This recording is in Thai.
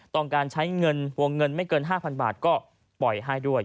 ต้องการใช้เงินวงเงินไม่เกิน๕๐๐บาทก็ปล่อยให้ด้วย